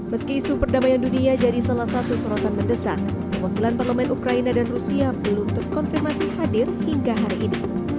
meski isu perdamaian dunia jadi salah satu sorotan mendesak perwakilan parlemen ukraina dan rusia belum terkonfirmasi hadir hingga hari ini